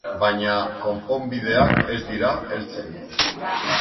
Baina konponbideak ez dira heltzen.